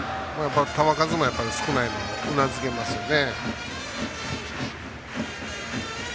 球数も少ないのもうなずけますよね。